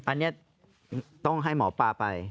อันนี้ต้องให้หมอปลาไป